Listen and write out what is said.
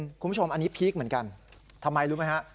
คุณผู้ชมอันนี้พีคเหมือนกันทำไมรู้ไหมฮะ